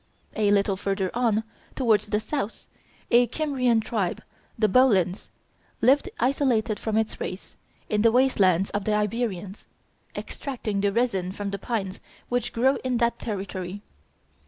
A little farther on, towards the south, a Kymrian tribe, the Bolans, lived isolated from its race, in the waste lands of the Iberians, extracting the resin from the pines which grew in that territory.